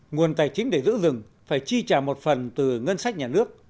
nguồn tài chính để giữ rừng phải chi trả một phần từ ngân sách nhà nước